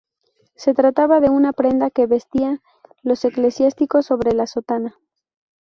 Se trataba de una prenda que vestían los eclesiásticos sobre la sotana.